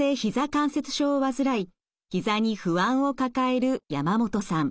関節症を患いひざに不安を抱える山本さん。